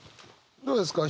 どうですか？